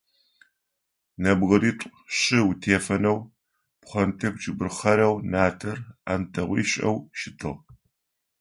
Нэбгыритӏу-щы утефэнэу, пхъэнтӏэкӏу кӏыбыр хъэрэу, натӏэр ӏантэгъуищэу щытыгъ.